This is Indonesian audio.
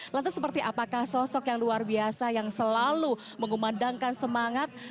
lantas seperti apakah sosok yang luar biasa yang selalu mengumandangkan semangat